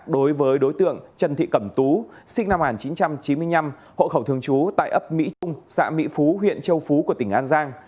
đối với đối tượng trần thị cẩm tú sinh năm một nghìn chín trăm chín mươi năm hộ khẩu thường trú tại ấp mỹ trung xã mỹ phú huyện châu phú của tỉnh an giang